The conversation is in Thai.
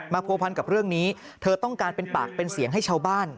ผัวพันกับเรื่องนี้เธอต้องการเป็นปากเป็นเสียงให้ชาวบ้าน